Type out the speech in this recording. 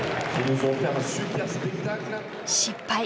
失敗。